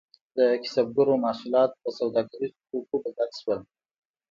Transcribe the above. د کسبګرو محصولات په سوداګریزو توکو بدل شول.